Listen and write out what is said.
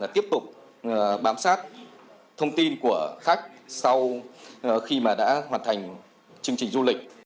tiếp tục bám sát thông tin của khách sau khi mà đã hoàn thành chương trình du lịch